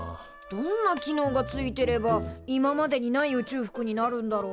どんな機能がついてれば今までにない宇宙服になるんだろう？